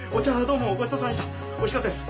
おいしかったです。